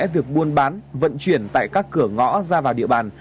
việc buôn bán vận chuyển tại các cửa ngõ ra vào địa bàn